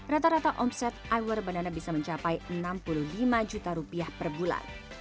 rata rata omset iwer banana bisa mencapai enam puluh lima juta rupiah per bulan